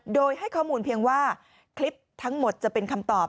โดยให้ข้อมูลเพียงว่าคลิปทั้งหมดจะเป็นคำตอบ